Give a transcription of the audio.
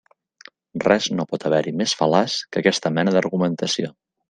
Res no pot haver-hi més fal·laç que aquesta mena d'argumentació.